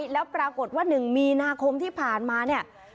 แล้วปรากฏว่า๑มีนาคมที่ผ่านมาเนี่ย